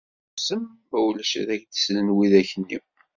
Susem mulac ad k-d-slen widak-nni.